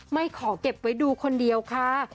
ไม่ขอเก็บไว้ดูคนเดียวค่ะ